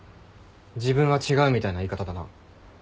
自分は違うみたいな言い方だな。